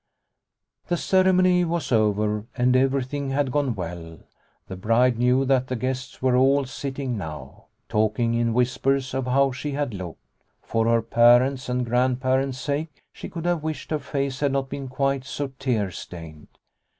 The ceremony was over, and everything had gone well. The bride knew that the guests were all sitting now, talking in whispers of how she had looked. For her parents' and grand parents' sake she could have wished her face had not been quite so tear stained.